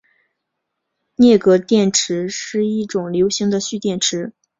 镍镉电池是一种流行的蓄电池。